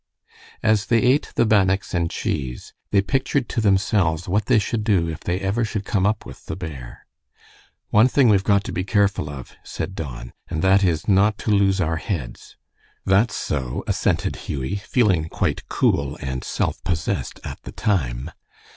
As they ate the bannocks and cheese, they pictured to themselves what they should do if they ever should come up with the bear. "One thing we've got to be careful of," said Don, "and that is, not to lose our heads." "That's so," assented Hughie, feeling quite cool and self possessed at the time.